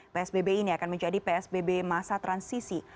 psbb ini akan menjadi psbb masa transisi